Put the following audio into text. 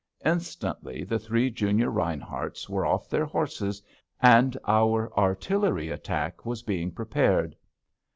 Instantly, the three junior Rineharts were off their horses, and our artillery attack was being prepared.